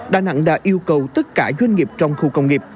đà nẵng đã yêu cầu tất cả doanh nghiệp trong khu công nghiệp